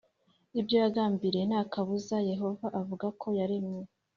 Ibyo yagambiriye nta kabuza yehova avuga ko yaremye